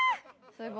すごい。